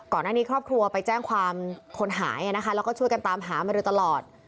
ก่อนอันนี้ครอบครัวไปแจ้งความคนหายแล้วก็ช่วยกันตามหามาดูตลอด